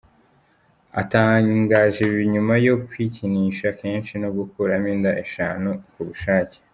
Atangaje ibi nyuma yo kwikinisha kenshi no gukuramo inda eshanu ku bushake.